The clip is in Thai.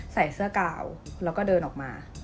ใส่เสื้อกาวแล้วก็เดินออกมา